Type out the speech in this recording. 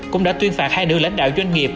cũng đã tuyên phạt hai nữ lãnh đạo doanh nghiệp